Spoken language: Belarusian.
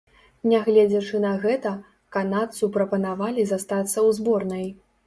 Нягледзячы на гэта, канадцу прапанавалі застацца ў зборнай.